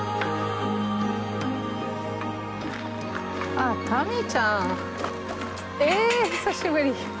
あっ民ちゃんえ久しぶり。